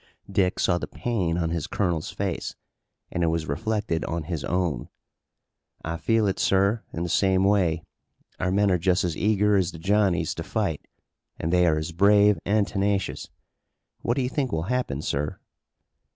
Dick saw the pain on his colonel's face and it was reflected on his own. "I feel it, sir, in the same way. Our men are just as eager as the Johnnies to fight and they are as brave and tenacious. What do you think will happen, sir?"